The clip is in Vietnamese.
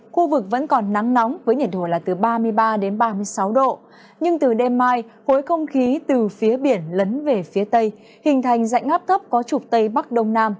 kinh tử đêm mai hối không khí từ phía biển lấn về phía tây hình thành dạnh ngáp thấp có trục tây bắc đông nam